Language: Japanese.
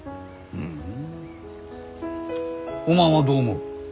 ふんおまんはどう思う？